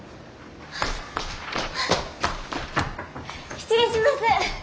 失礼します！